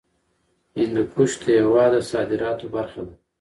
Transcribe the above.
هندوکش د هېواد د صادراتو برخه ده.